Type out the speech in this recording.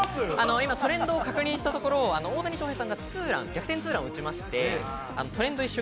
今、トレンドを確認したところ大谷翔平さんが逆転ツーランを打ちまして。